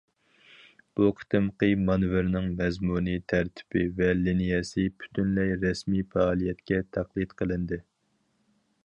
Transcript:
بۇ قېتىمقى مانېۋىرنىڭ مەزمۇنى، تەرتىپى ۋە لىنىيەسى پۈتۈنلەي رەسمىي پائالىيەتكە تەقلىد قىلىندى.